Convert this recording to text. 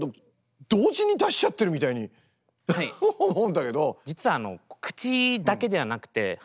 同時に出しちゃってるみたいに思うんだけど。